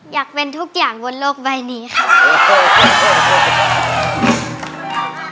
อยากเป็นทุกอย่างบนโลกใบนี้ค่ะ